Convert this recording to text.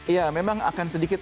iya memang akan sedikit